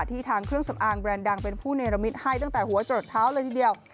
ทางเครื่องสำอางแรนด์ดังเป็นผู้เนรมิตให้ตั้งแต่หัวจดเท้าเลยทีเดียว